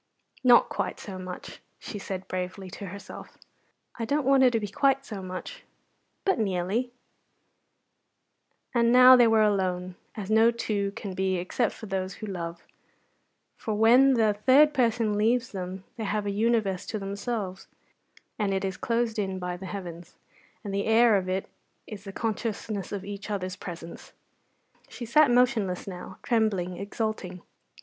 "Not quite so much," she said bravely to herself. "I don't want it to be quite so much but nearly." [Illustration: She did not look up, she waited.] And now they were alone as no two can be except those who love; for when the third person leaves them they have a universe to themselves, and it is closed in by the heavens, and the air of it is the consciousness of each other's presence. She sat motionless now trembling, exulting.